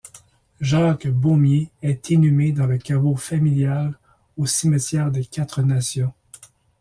Jacques Baumier est inhumé dans le caveau familial au cimetière des Quatre-Nations.